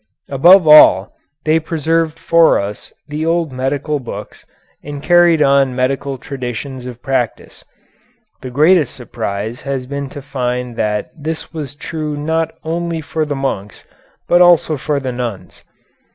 Above all, they preserved for us the old medical books and carried on medical traditions of practice. The greatest surprise has been to find that this was true not only for the monks, but also for the nuns.